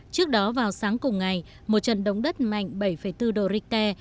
trước đó vào sáng cùng ngày một trận động đất mạnh bảy bốn độ richter